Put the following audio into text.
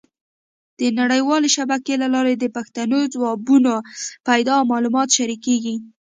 د نړیوالې شبکې له لارې د پوښتنو ځوابونه پیدا او معلومات شریکېږي.